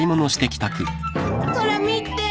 ほら見て！